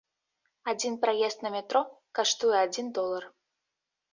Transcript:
Адзін праезд на метро каштуе адзін долар.